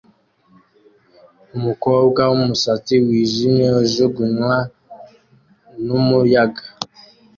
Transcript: Umukobwa wumusatsi wijimye ujugunywa numuyaga